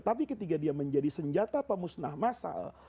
tapi ketika dia menjadi senjata pemusnah masal